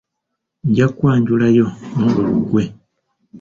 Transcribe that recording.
Nja kwanjulayo n'olwo luggwe!